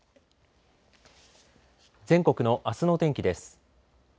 全国のあすの天気です。